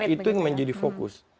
itu yang menjadi fokus